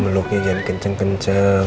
beluknya jangan kenceng kenceng